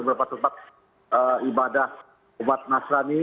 beberapa tempat ibadah umat nasrani